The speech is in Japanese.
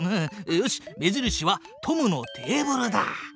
よし目印はトムのテーブルだ！